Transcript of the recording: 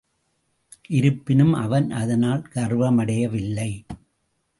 இருப்பினும் அவன் அதனால் கர்வமடையவில்லை.